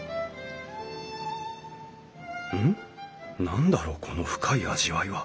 何だろうこの深い味わいは。